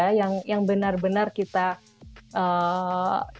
terus aku merasa install aplikasi seperlunya aja